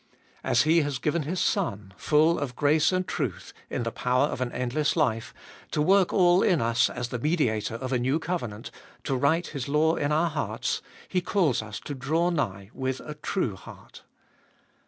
As He has given His Son, full of grace and truth, in the power of an endless life, to work all in us as the Mediator of a new covenant, to write His law in our hearts, He calls us to draw nigh with a true heart.